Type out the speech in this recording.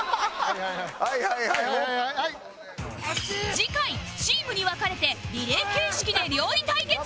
次回チームに分かれてリレー形式で料理対決